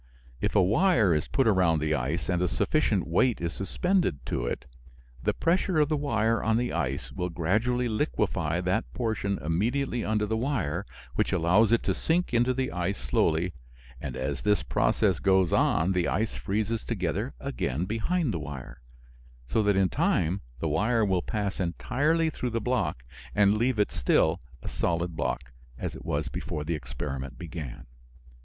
If a wire is put around the ice and a sufficient weight is suspended to it, the pressure of the wire on the ice will gradually liquefy that portion immediately under the wire, which allows it to sink into the ice slowly, and as this process goes on the ice freezes together again behind the wire, so that in time the wire will pass entirely through the block and leave it still a solid block, as it was before the experiment began.